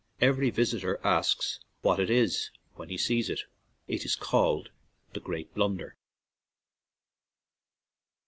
Every visitor asks what it is when he sees it. It is called "The Great Blunder."